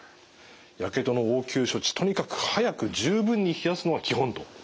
やけどの応急処置とにかく早く十分に冷やすのが基本ということですね。